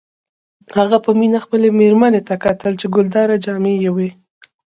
هغه به په مینه خپلې میرمنې ته کتل چې ګلدارې جامې یې وې